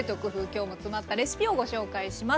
今日も詰まったレシピをご紹介します。